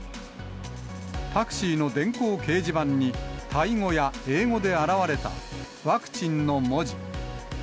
タクシーの電光掲示板に、タイ語や英語で現れた、ワクチンの文字。